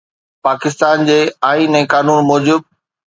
پاڪستان جي آئين ۽ قانون موجب